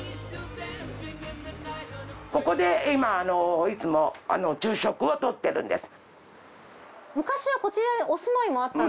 ここで今いつも昼食をとってるんです。